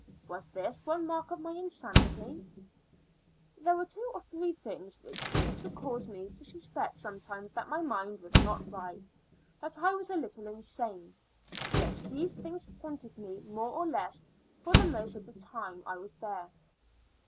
Was this one mark of my insanity ? There were two or three things which used to cause me to suspect sometimes that my mind was not right, that I was a little insane — yet these things haunted me more or less for the most of the time I was there.